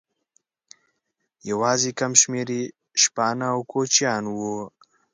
یواځې کم شمېر یې شپانه او کوچیان وو.